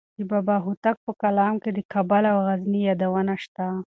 د بابا هوتک په کلام کې د کابل او غزني یادونه شته.